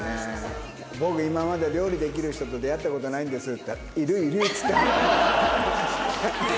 僕今まで料理できる人と出会った事ないんですっつったらいるいるっつったの。